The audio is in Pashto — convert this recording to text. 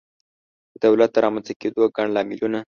د دولت د رامنځته کېدو ګڼ لاملونه